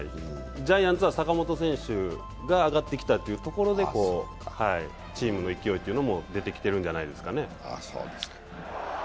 ジャイアンツは坂本選手が上がってきたというところで、チームの勢いも出てきてるんじゃないですかね。